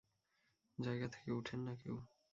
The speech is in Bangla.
জায়গা থেকে উঠেন না কেউ।